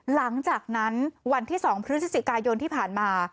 หลังจากนั้นวันที่๒พฤศจิกายนที่ผ่านมา